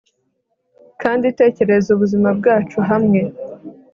kandi tekereza ubuzima bwacu hamwe